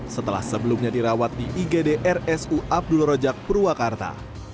setelah sebelumnya dirawat di igdrsu abdul rojak purwakarta